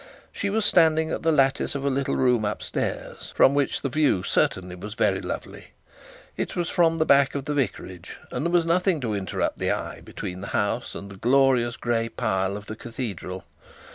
She was standing at the lattice of a little room up stairs, from which the view certainly was very lovely. It was from the back of the vicarage, and there was nothing to interrupt the eye between the house and the glorious gray pile of the cathedral.